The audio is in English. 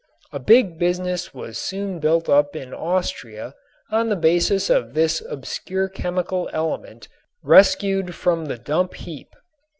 A big business was soon built up in Austria on the basis of this obscure chemical element rescued from the dump heap.